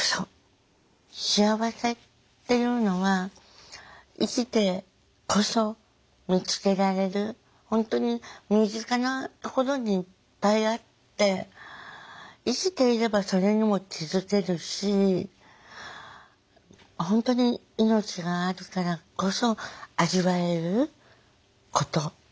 幸せっていうのは生きてこそ見つけられる本当に身近なところにいっぱいあって生きていればそれにも気付けるし本当に命があるからこそ味わえること。